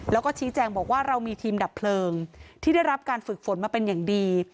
แล้วก็ชี้แจงบอกว่าเรามีทีมดับเพลิงที่ได้รับการฝึกฝนมาเป็นอย่างดี